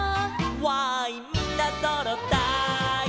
「わーいみんなそろったい」